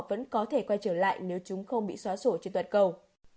vẫn có thể quay trở lại nếu chúng không bị xóa sổ trên toàn cầu